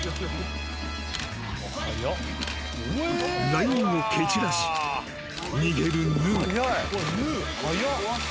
［ライオンを蹴散らし逃げるヌー］